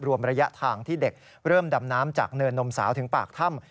รวมระยะทางที่เด็กเริ่มดำน้ำจากเนินนมสาวถึงปากถ้ำ